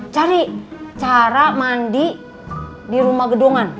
cari cara mandi di rumah gedungan